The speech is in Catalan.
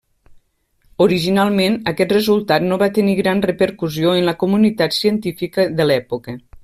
Originalment, aquest resultat no va tenir gran repercussió en la comunitat científica de l'època.